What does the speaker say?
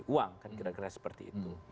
uang kan kira kira seperti itu